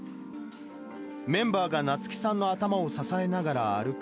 メンバーがなつきさんの頭を支えながら歩く